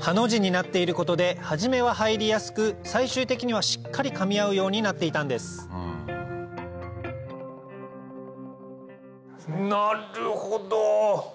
ハの字になっていることで始めは入りやすく最終的にはしっかりかみ合うようになっていたんですなるほど！